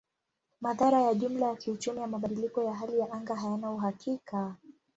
Madhara ya jumla ya kiuchumi ya mabadiliko ya hali ya anga hayana uhakika.